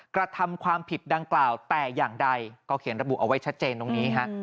กระทำความผิดดังกล่าวแต่อย่างใดก็เขียนระบุเอาไว้ชัดเจนตรงนี้ฮะ